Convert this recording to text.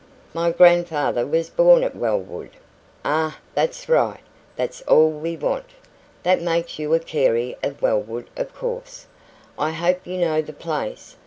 "My grandfather was born at Wellwood " "Ah, that's right! That's all we want. That makes you a Carey of Wellwood, of course. I hope you know the place?"